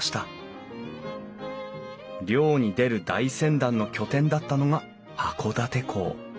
漁に出る大船団の拠点だったのが函館港。